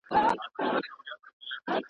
په څپو کي ستا غوټې مي وې لیدلي!